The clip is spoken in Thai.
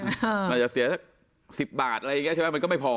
อาจจะเสียสัก๑๐บาทอะไรอย่างนี้ใช่ไหมมันก็ไม่พอ